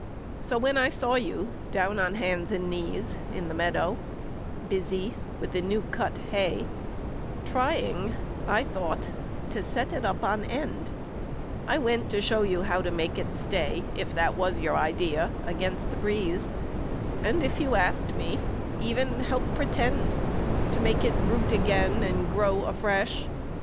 So when I saw you down on hands and knees In the meadow, busy with the new cut hay, Trying, I thought, to set it up on end, I went to show you how to make it stay, If that was your idea, against the breeze, And, if you asked me, even help pretend To make it root again and grow afresh.